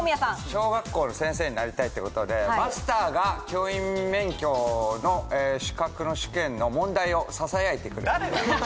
小学校の先生になりたいってことでマスターが教員免許の資格の試験の問題をささやいてくれる。